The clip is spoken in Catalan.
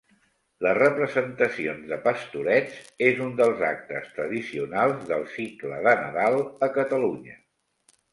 Les representacions de pastorets és un dels actes tradicionals del cicle de Nadal a Catalunya.